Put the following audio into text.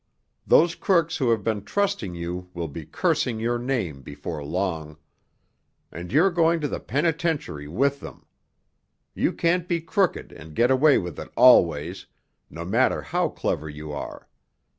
Those crooks who have been trusting you will be cursing your name before long. And you're going to the penitentiary with them. You can't be crooked and get away with it always—no matter how clever you are.